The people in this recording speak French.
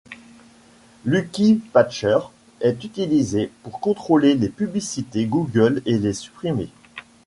Lucky Patcher est utilisé pour contrôler les publicités Google et les supprimer.